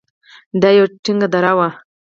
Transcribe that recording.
دا يوه تنگه دره وه.